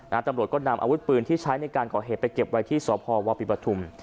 ตำรวจก็นำอาวุธปืนที่ใช้ในการก่อเหตุไปเก็บไว้ที่สพวปิปฐุม